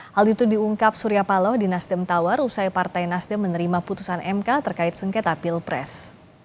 hal itu diungkap surya paloh di nasdem tawar usai partai nasdem menerima putusan mk terkait sengketa pilpres